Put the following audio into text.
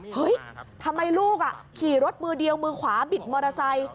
เฮ้ยทำไมลูกขี่รถมือเดียวมือขวาบิดมอเตอร์ไซค์